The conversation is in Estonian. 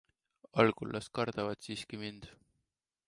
Algul las kardavad siiski mind.